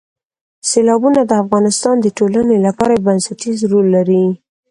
سیلابونه د افغانستان د ټولنې لپاره یو بنسټیز رول لري.